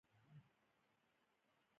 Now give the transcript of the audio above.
وزه نن وزيمه ده، خو مينده وز نشته